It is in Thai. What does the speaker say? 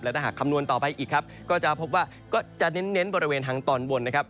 ถ้าหากคำนวณต่อไปอีกครับก็จะพบว่าก็จะเน้นบริเวณทางตอนบนนะครับ